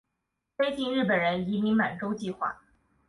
推进日本人移民满洲计划。